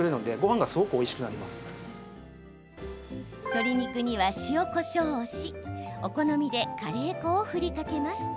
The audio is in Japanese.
鶏肉には塩、こしょうをしお好みでカレー粉を振りかけます。